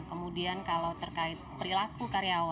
kemudian kalau terkait perilaku